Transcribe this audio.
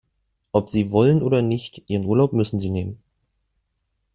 Ob Sie wollen oder nicht, Ihren Urlaub müssen Sie nehmen.